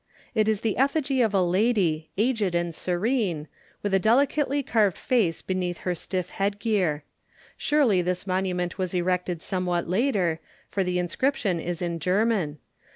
It is the effigy of a lady, aged and serene, with a delicately carved face beneath her stiff head gear. Surely this monument was erected somewhat later, for the inscription is in German.